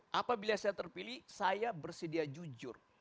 kalau saya terpilih saya bersedia jujur